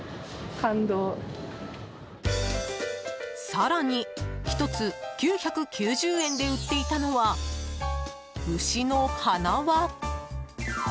更に、１つ９９０円で売っていたのは牛の鼻輪。